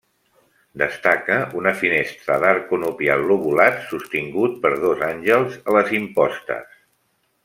Destaca una finestra d'arc conopial lobulat sostingut per dos àngels a les impostes.